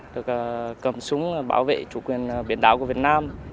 được cầm súng bảo vệ chủ quyền biển đảo của việt nam